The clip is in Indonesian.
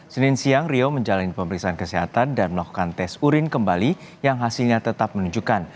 senin siang rio menjalani pemeriksaan kesehatan dan melakukan tes urin kembali yang hasilnya tetap menunjukkan